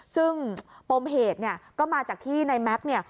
ซึ่งปมเหตุก็มาจากที่ในแม็กซ์